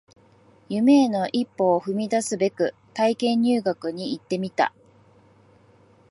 夢への一歩を踏み出すべく体験入学に行ってみた